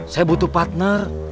saya butuh partner